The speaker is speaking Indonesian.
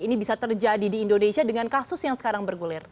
ini bisa terjadi di indonesia dengan kasus yang sekarang bergulir